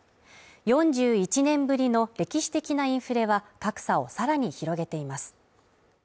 ４１年ぶりの歴史的なインフレは格差をさらに広げています。